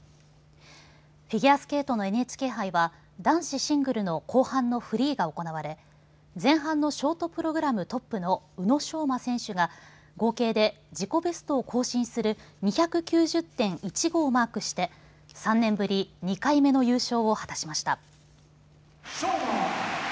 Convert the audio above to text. フィギュアスケートのＮＨＫ杯は男子シングルの後半のフリーが行われ前半のショートプログラムトップの宇野昌磨選手が合計で自己ベストを更新する２９０．１５をマークして３年ぶり２回目の優勝を果たしました。